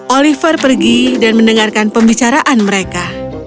oliver pergi dan mendengarkan pembicaraan mereka